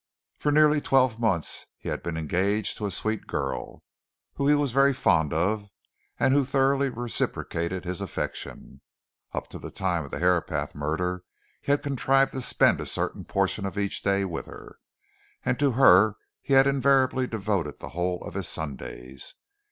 For nearly twelve months he had been engaged to a sweet girl, of whom he was very fond, and who thoroughly reciprocated his affection; up to the time of the Herapath murder he had contrived to spend a certain portion of each day with her, and to her he had invariably devoted the whole of his Sundays.